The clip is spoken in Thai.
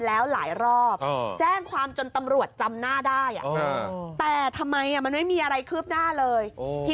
แต่ทำไมมันไม่มีอะไรคืบหน้าเลย